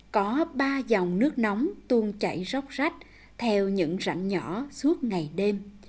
có ba dòng nước nóng tuôn chảy rốc rách theo những rạnh nhỏ suốt ngày đêm